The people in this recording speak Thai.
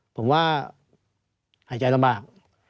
ผมว่าหายใจลำบาก